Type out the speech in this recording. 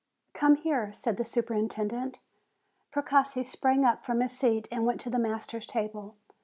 "Come here," said the superintendent. Precossi sprang up from his seat and went to the master's table.